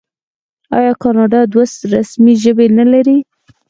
آیا کاناډا دوه رسمي ژبې نلري؟